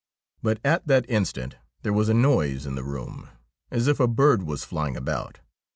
But at that instant there was a noise in the room as if a bird was flying about.